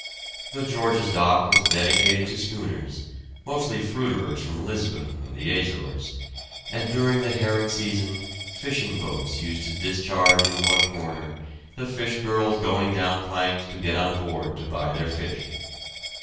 The George's dock was dedicated to schooners, mostly fruiterers from Lisbon or the Azores, and during the herring season fishing boats used to discharge in one corner, the fish girls going down planks to get on board to buy their fish.